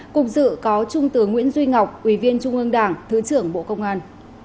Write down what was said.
cùng dự có trung tướng nguyễn duy ngọc ủy viên trung ương đảng thứ trưởng bộ công an